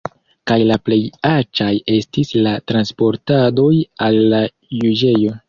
Kaj la plej aĉaj estis la transportadoj al la juĝejo.